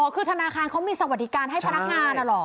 คือธนาคารเขามีสวัสดิการให้พนักงานเหรอ